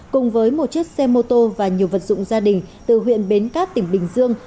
cùng với một chiếc xe mô tô và nhiều vật dụng gia đình từ huyện bến cát tỉnh bình dương